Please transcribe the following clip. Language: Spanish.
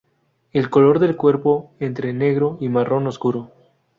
El color del cuerpo entre negro y marrón oscuro.